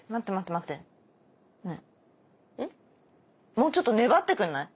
もうちょっと粘ってくんない？